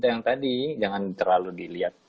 yang tadi jangan terlalu dilihat